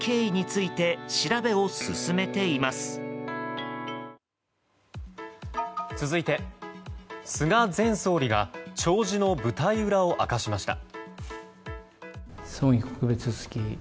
続いて、菅前総理が弔辞の舞台裏を明かしました。